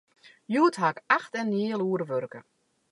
Hjoed haw ik acht en in heal oere wurke.